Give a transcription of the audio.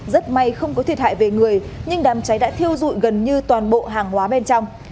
rất may không có thiệt hại về người nhưng đám cháy đã thiêu dụi gần như toàn bộ hàng hóa bên trong